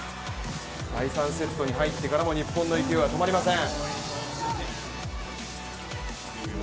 第３セットに入ってからも日本の勢いは止まりません。